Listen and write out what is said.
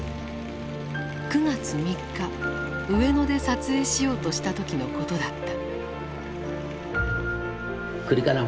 ９月３日上野で撮影しようとした時のことだった。